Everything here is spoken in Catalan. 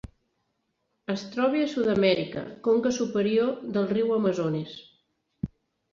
Es troba a Sud-amèrica: conca superior del riu Amazones.